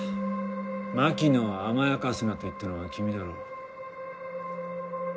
「槙野を甘やかすな」と言ったのは君だろう？